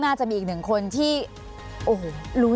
ภารกิจสรรค์ภารกิจสรรค์